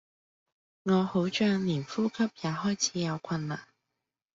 我好像連呼吸也開始有困難